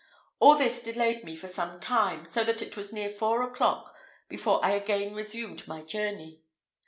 All this delayed me for some time, so that it was near four o'clock before I again resumed my journey.